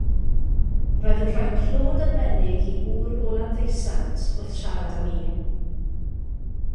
Roedd yn rhoi clod arbennig i ŵr o Landdeusant, wrth siarad â mi.